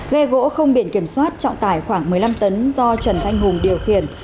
ghe gỗ không biển kiểm soát trọng tải khoảng một mươi năm tấn do trần thanh hùng điều khiển